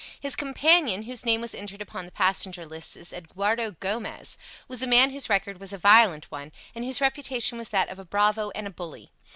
His companion, whose name was entered upon the passenger lists as Eduardo Gomez, was a man whose record was a violent one, and whose reputation was that of a bravo and a bully.